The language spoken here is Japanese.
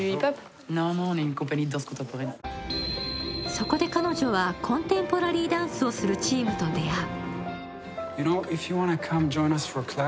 そこで彼女はコンテンポラリーダンスをするチームと出会う。